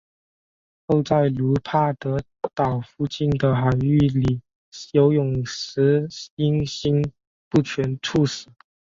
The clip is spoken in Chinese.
后在卢帕德岛附近的海域里游泳时因心不全猝死。